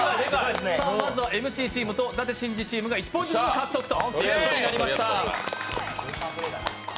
まずはＭＣチームと舘しんじチームが１ポイント獲得となりました。